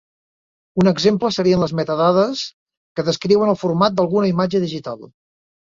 Un exemple serien les metadades que descriuen el format d'alguna imatge digital.